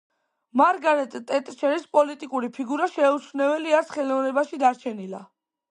მარგარეტ ტეტჩერის პოლიტიკური ფიგურა შეუმჩნეველი არც ხელოვნებაში დარჩენილა.